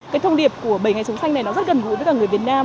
cái thông điệp của bảy ngày sống xanh này nó rất gần gũi với cả người việt nam